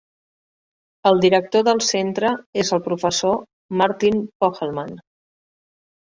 El director del centre és el professor Martin Pohlmann.